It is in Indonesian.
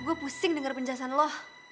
gue pusing dengar penjelasan lo